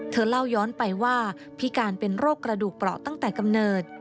เธอเล่าย้อนไปว่าพิการเป็นโรคกระดูกเปราะตั้งแต่กำเนิด